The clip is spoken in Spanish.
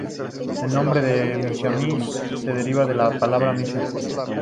El nombre de Misamis se deriva de la palabra Misa.